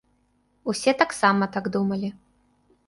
Усе таксама так думалі.